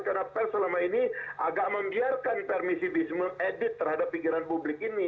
karena per selama ini agak membiarkan permisifisme edit terhadap pikiran publik ini